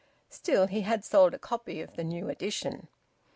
(Still, he had sold a copy of the new edition.)